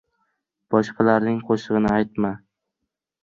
• Boshqalarning qo‘shig‘ini aytma.